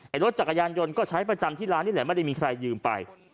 รถจักรยานยนต์ก็ใช้ประจำที่ร้านนี่แหละไม่ได้มีใครยืมไป